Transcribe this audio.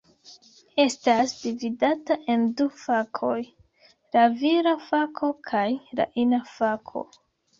Estas dividata en du fakoj: la vira fako kaj la ina fako.